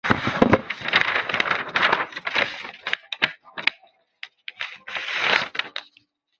电鲇可以发出猫叫的声音。